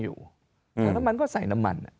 แต่น้ำมันก็ใส่น้ำมัน